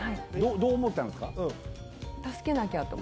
どう思ったんですか？